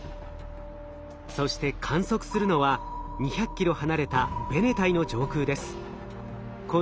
そして観測するのは２００ｋｍ離れたベネタイの上空です。